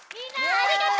ありがとう！